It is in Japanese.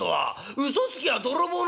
『うそつきは泥棒の』」。